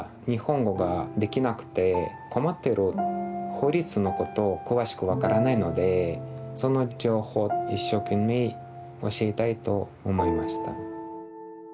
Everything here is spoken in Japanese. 法律のこと詳しく分からないのでその情報一生懸命教えたいと思いました。